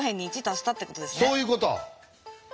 そういうこと。